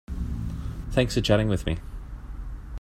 Thanks for chatting with me.